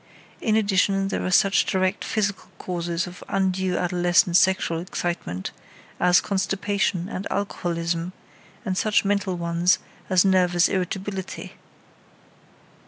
In addition there are such direct physical causes of undue adolescent sexual excitement as constipation and alcoholism, and such mental ones as nervous irritability.